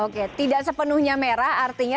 oke tidak sepenuhnya merah artinya